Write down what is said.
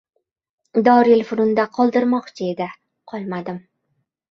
— Dorilfununda qoldirmoqchi edi, qolmadim.